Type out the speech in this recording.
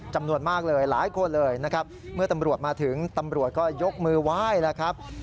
จำนวนมากเลยหลายคนเลยนะครับเมื่อตำรวจมาถึงตำรวจก็ยกมือไหว้แล้วครับ